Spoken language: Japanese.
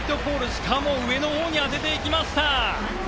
しかも、上のほうに当てていきました！